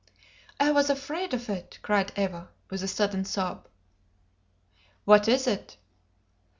"I was afraid of it!" cried Eva, with a sudden sob. "What is it?"